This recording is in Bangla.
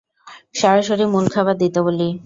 সরাসরি মূল খাবার দিতে বলি।